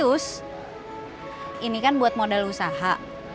terus ini kan buat modal usaha